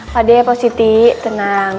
pak adek positi tenang